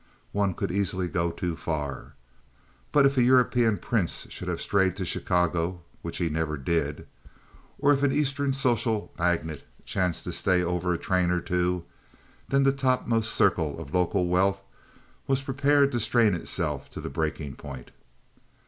One could easily go too far! But if a European prince should have strayed to Chicago (which he never did) or if an Eastern social magnate chanced to stay over a train or two, then the topmost circle of local wealth was prepared to strain itself to the breaking point.